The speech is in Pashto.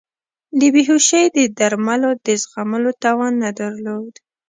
د بیهوشۍ د درملو د زغملو توان نه درلود.